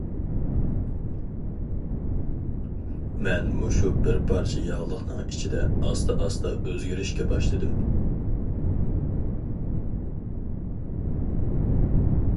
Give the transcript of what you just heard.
مەن مۇشۇ بىر پارچە ياغلىقنىڭ ئىچىدە ئاستا-ئاستا ئۆزگىرىشكە باشلىدىم.